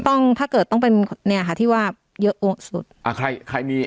ถ้าเกิดต้องเป็นเนี้ยค่ะที่ว่าเยอะสุดอ่าใครใครมี